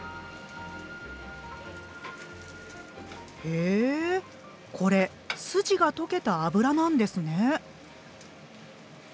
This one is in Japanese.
へえこれスジが溶けた脂なんですね。